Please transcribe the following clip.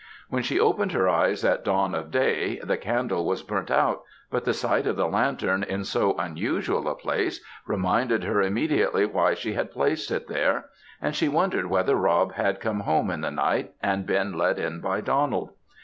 When she opened her eyes at dawn of day, the candle was burnt out, but the sight of the lantern in so unusual a place, reminded her immediately why she had placed it there, and she wondered whether Rob had come home in the night, and been let in by Donald.